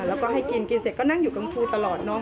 แล้วก็ให้กินกินเสร็จก็นั่งอยู่กับครูตลอดเนอะ